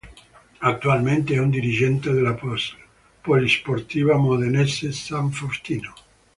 Attualmente è un dirigente della polisportiva modenese San Faustino.